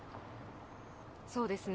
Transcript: そうですね。